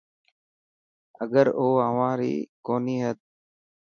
اگر او اوهان ري ڪوني هي.